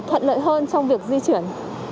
thuận lợi hơn trong việc di chuyển